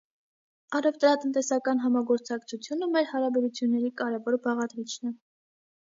Առևտրատնտեսական համագործակցությունը մեր հարաբերությունների կարևոր բաղադրիչն է: